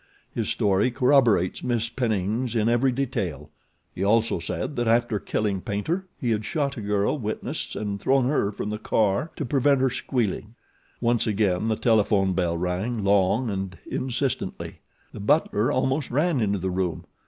His story corroborates Miss Penning's in every detail, he also said that after killing Paynter he had shot a girl witness and thrown her from the car to prevent her squealing." Once again the telephone bell rang, long and insistently. The butler almost ran into the room.